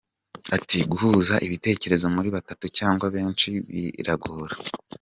Ati “Guhuza ibitekerezo muri batatu cyangwa benshi biragora.